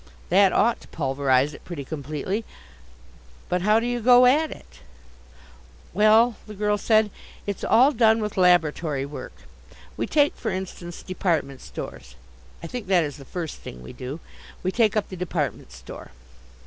"That ought to pulverize it pretty completely. But how do you go at it?" "Well," the girl said, "it's all done with Laboratory Work. We take, for instance, department stores. I think that is the first thing we do, we take up the department store."